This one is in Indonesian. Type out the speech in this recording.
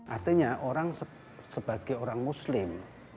artinya orang sebagai orang muslim